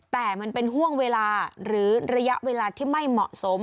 แต่มันเป็นห่วงเวลาหรือระยะเวลาที่ไม่เหมาะสม